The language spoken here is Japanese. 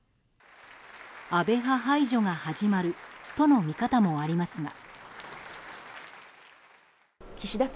安倍派排除が始まるとの見方もありますが。